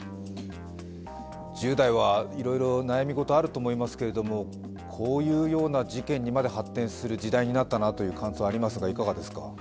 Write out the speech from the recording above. １０代はいろいろと悩みごとあると思いますけどこういうような事件にまで発展する時代になったという感想がありますが、いかがですか？